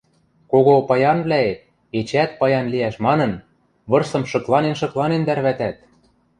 Кого паянвлӓэт, эчеӓт паян лиӓш манын, вырсым шыкланен-шыкланен тӓрвӓтӓт...